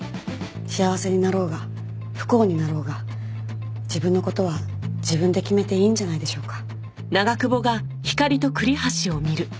幸せになろうが不幸になろうが自分の事は自分で決めていいんじゃないでしょうか。